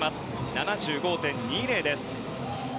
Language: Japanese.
７５．２０です。